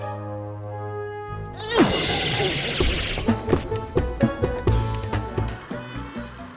ya udah deh